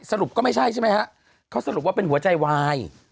สรุปก็ไม่ใช่ใช่ไหมฮะเขาสรุปว่าเป็นหัวใจวาย